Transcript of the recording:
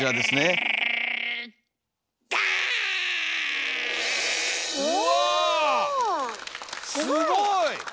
すごい！